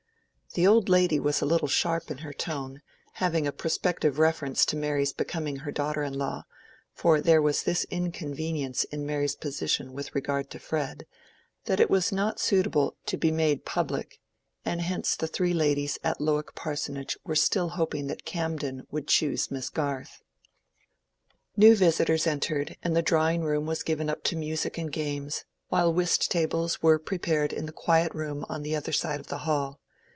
The old lady was a little sharp in her tone, having a prospective reference to Mary's becoming her daughter in law; for there was this inconvenience in Mary's position with regard to Fred, that it was not suitable to be made public, and hence the three ladies at Lowick Parsonage were still hoping that Camden would choose Miss Garth. New visitors entered, and the drawing room was given up to music and games, while whist tables were prepared in the quiet room on the other side of the hall.